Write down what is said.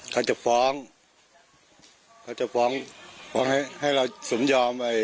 เขาจะฟ้องเขาจะฟ้องฟ้องให้ให้เราสมยอมไป